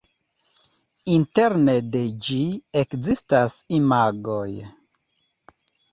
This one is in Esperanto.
Interne de ĝi ekzistas imagoj.